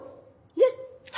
ねっ。